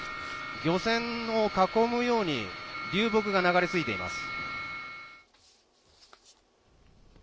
漁船を囲むように、流木が流れ着いています。